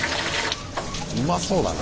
うまそうだな！